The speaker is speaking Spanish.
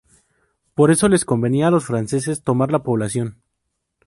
Por eso les convenía a los franceses tomar la población.